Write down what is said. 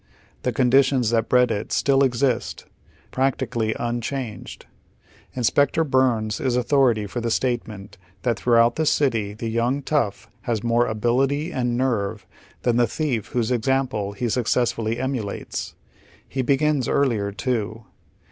The con ditions that bred it still exist, practically unchanged. Inspector Byrnes is authority for the statement that throughout the city the young tough has more " ability" and " nerve " than the thief whose example he successfully ,4«^ 228 JIOW THE OTHER HALF LIVES. emulates. He begins earlier, too.